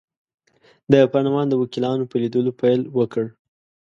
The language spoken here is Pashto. د پارلمان د وکیلانو په لیدلو پیل وکړ.